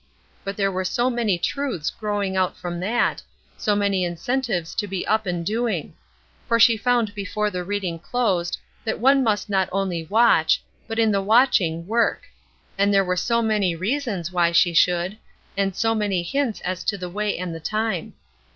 But there were so many truths growing out from that, so many incentives to be up and doing; for she found before the reading closed that one must not only watch, but in the watching work; and there were so many reasons why she should, and so many hints as to the way and the time.